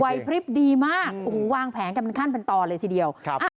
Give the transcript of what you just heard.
วัยพลิปดีมากวางแผงกันขั้นเป็นตอนเลยทีเดียว